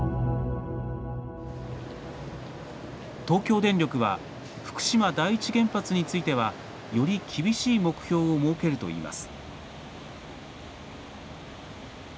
東京電力は福島第一原発についてはより厳しい目標を設けるといいます。